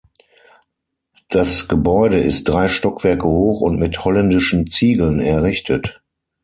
Das Gebäude ist drei Stockwerke hoch und mit holländischen Ziegeln errichtet.